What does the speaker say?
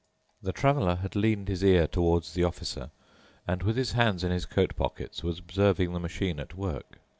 The Traveler had leaned his ear towards the Officer and, with his hands in his coat pockets, was observing the machine at work.